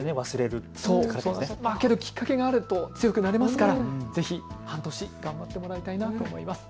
きっかけがあると強くなれますから、ぜひ半年、頑張ってもらいたいなと思います。